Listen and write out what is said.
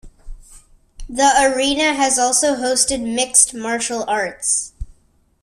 The arena has also hosted mixed martial arts.